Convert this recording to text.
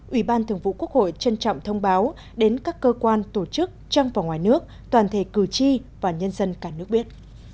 ủy ban thường vụ quốc hội trân trọng thông báo đến các cơ quan tổ chức trong và ngoài nước toàn thể cử tri và nhân dân cả nước biết